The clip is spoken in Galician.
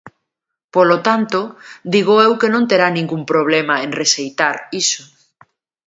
Polo tanto, digo eu que non terá ningún problema en rexeitar iso.